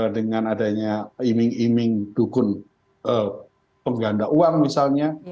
dengan adanya iming iming dukun pengganda uang misalnya